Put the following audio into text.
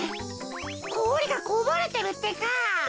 こおりがこぼれてるってか。